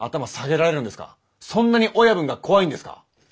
そんなに親分が怖いんですか？